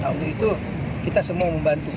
untuk itu kita semua membantu